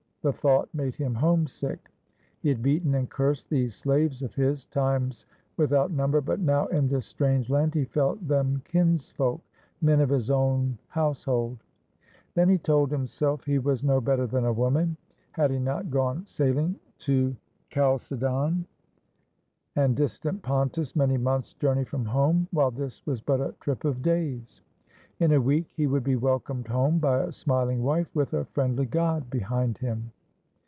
The thought made him homesick. He had beaten and cursed these slaves of his, times without number, but now in this strange land he felt them kins folk, men of his own household. Then he told himself 98 THE LEMNIAN: A STORY OF THERMOP\X E he was no better than a woman. Had he not gone sail ing to Chalcedon and distant Pontus, many months' journey from home, while this was but a trip of days. In a week he would be welcomed home by a smiling wife, with a friendly god behind him.